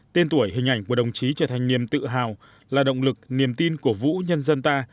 tên tuổi hình ảnh của đồng chí trở thành niềm tự hào là động lực niềm tin của vũ nhân dân ta